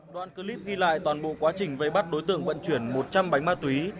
đoạn clip ghi lại toàn bộ quá trình vây bắt đối tượng vận chuyển một trăm linh bánh ma túy